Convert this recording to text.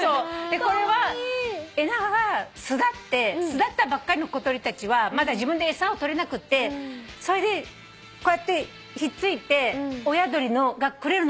これはエナガが巣立って巣立ったばっかりの小鳥たちはまだ自分で餌をとれなくてそれでこうやって引っ付いて親鳥がくれるのを待ってんの。